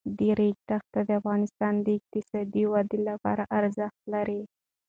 د ریګ دښتې د افغانستان د اقتصادي ودې لپاره ارزښت لري.